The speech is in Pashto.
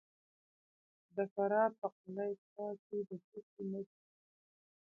د فراه په قلعه کاه کې د څه شي نښې دي؟